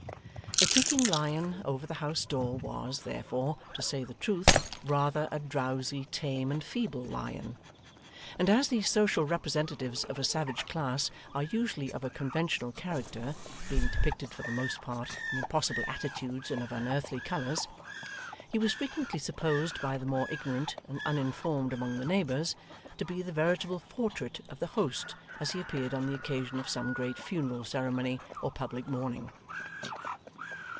The creaking Lion over the house door was, therefore, to say the truth, rather a drowsy, tame, and feeble lion; and as these social representatives of a savage class are usually of a conventional character (being depicted, for the most part, in impossible attitudes and of unearthly colours), he was frequently supposed by the more ignorant and uninformed among the neighbours, to be the veritable portrait of the host as he appeared on the occasion of some great funeral ceremony or public mourning.